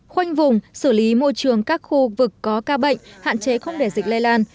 khoanh vùng xử lý môi trường các khu vực có ca bệnh hạn chế không để dịch lây lan